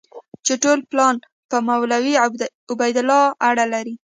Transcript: چې ټول پلان په مولوي عبیدالله اړه لري.